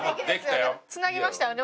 繋ぎましたよね